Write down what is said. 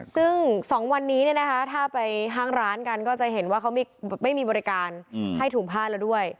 ซึ่ง๒วันนี้ถ้าไปห้างร้านกันก็จะเห็นว่าเขาไม่มีบริการให้ถุงผ้าแล้วด้วย